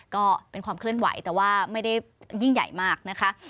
ก็เป็นความเคลื่อนไหวแต่ว่าไม่ได้ยิ่งใหญ่มากนะคะ